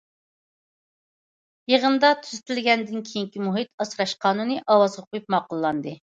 يىغىندا تۈزىتىلگەندىن كېيىنكى مۇھىت ئاسراش قانۇنى ئاۋازغا قويۇپ ماقۇللاندى.